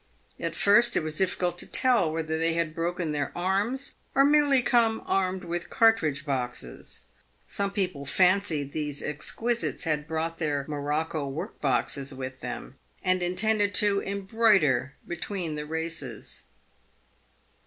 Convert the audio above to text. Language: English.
At first it w r as difficult to tell whether they had broken their arms, or merely come armed with cartridge boxes. Some people fancied these exquisites had brought their morocco work boxes with them, and intended to embroider between the races.